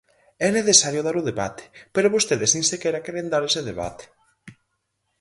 É necesario dar o debate, pero vostedes nin sequera queren dar ese debate.